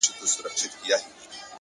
دلته مستي ورانوي دلته خاموشي ورانوي.